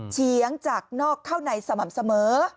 เฉียงจากนอกเข้าในสม่ำเสมอ